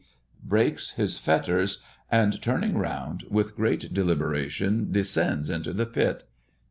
breaks his fetters, and turning round with great deliberation, descends into the pit.